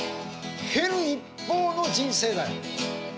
減る一方の人生だよ。